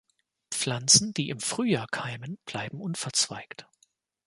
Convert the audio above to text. Pflanzen, die im Frühjahr keimen, bleiben unverzweigt.